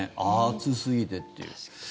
暑すぎてっていう。